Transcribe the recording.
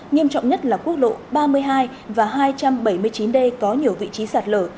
nghiêm trọng nhất là quốc lộ ba mươi hai và hai trăm bảy mươi chín d có nhiều vị trí sạt lở